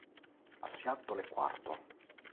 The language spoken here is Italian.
A Seattle è quarto.